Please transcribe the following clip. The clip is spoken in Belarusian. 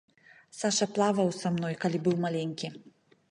Саша плаваў са мной калі быў маленькі.